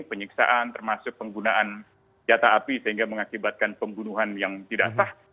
penyiksaan termasuk penggunaan jata api sehingga mengakibatkan pembunuhan yang tidak sah